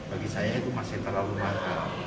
bagi saya itu masih terlalu mahal